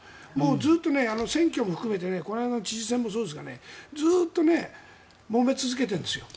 ずっと選挙も含めてこの間の知事選も含めてずっともめ続けてるんです。